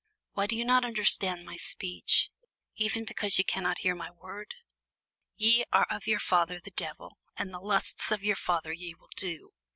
Why do ye not understand my speech? even because ye cannot hear my word. Ye are of your father the devil, and the lusts of your father ye will do.